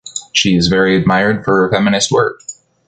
She is very admired for her feminist work.